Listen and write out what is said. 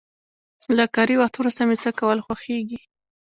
له کاري وخت وروسته مې څه کول خوښيږي؟